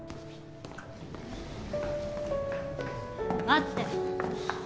待って！